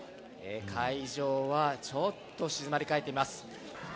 会場はちょっと静まり返っています。